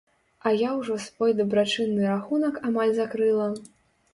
А я ўжо свой дабрачынны рахунак амаль закрыла.